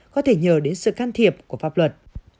có thể nhờ đến sự can thiệp của pháp luật